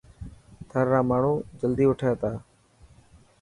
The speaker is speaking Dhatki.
ٿر را ماڻهو جلدي اوٺي ٿا.